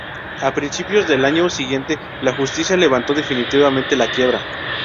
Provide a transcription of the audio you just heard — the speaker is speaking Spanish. A principios del año siguiente, la justicia levantó definitivamente la quiebra.